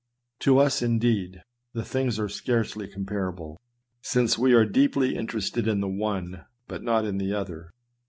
To us, indeed, the things are 232 SERxMONS. scarcely comparable, since we are deeply interested in one, though not in the other.